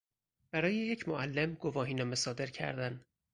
برای یک معلم گواهینامه صادر کردن